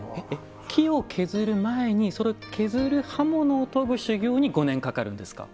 木を削る前にそれを削る刃物を研ぐ修業に５年かかるんですか？